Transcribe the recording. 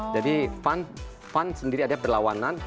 jadi fan sendiri ada perlawanan